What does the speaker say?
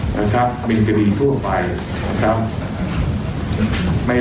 เวลาการสงสัยทั่วไป